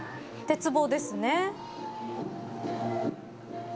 鉄棒ですね。